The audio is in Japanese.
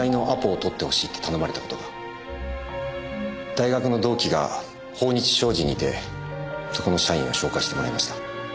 大学の同期が豊日商事にいてそこの社員を紹介してもらいました。